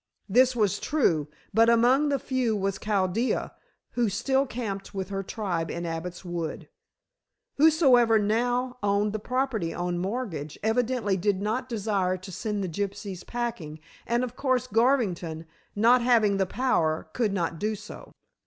This was true, but among the few was Chaldea, who still camped with her tribe in Abbot's Wood. Whosoever now owned the property on mortgage, evidently did not desire to send the gypsies packing, and, of course, Garvington, not having the power, could not do so.